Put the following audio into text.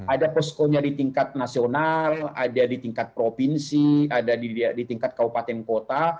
ada poskonya di tingkat nasional ada di tingkat provinsi ada di tingkat kabupaten kota